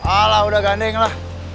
alah udah gandeng lah